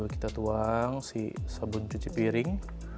kita tuang si sabun cuci piring